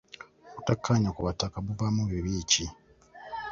Obutakkaanya ku bataka buvaamu bibi ki?